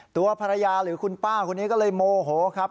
ตัวภรรยาหรือคุณป้าคนนี้ก็เลยโมโหครับ